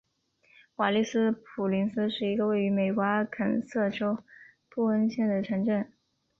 瓦利斯普林斯是一个位于美国阿肯色州布恩县的城镇。